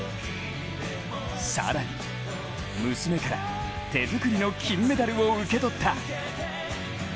更に、娘から手作りの金メダルを受け取った。